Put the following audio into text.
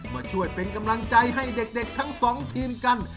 มาช่วยเป็นกำลังใจให้เด็กทั้งสองทีมกัน